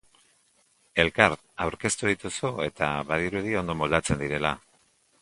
Elkar aurkeztu dituzu, eta badirudi ondo moldatzen direla.